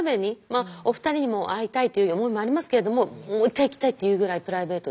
まあお二人にも会いたいという思いもありますけれどももう一回行きたいっていうぐらいプライベートで。